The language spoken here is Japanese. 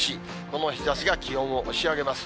この日ざしが気温を押し上げます。